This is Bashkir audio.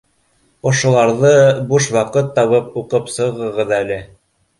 — Ошоларҙы, буш ваҡыт табып, уҡып сығығыҙ әле